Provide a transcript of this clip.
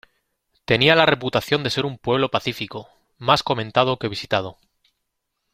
Tenía la reputación de ser un "pueblo" pacífico, más comentado que visitado.